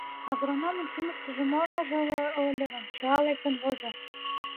Агрономын шӱмыштыжӧ мо ныжылге ыле гын, чыла лектын возо.